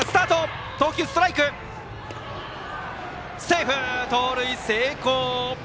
セーフ、盗塁成功。